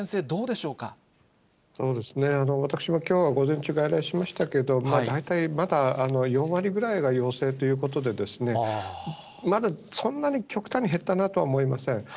そうですね、私もきょうは午前中、外来しましたけども、大体まだ４割ぐらいは陽性ということで、まだそんなに極端に減ったなとは思いません。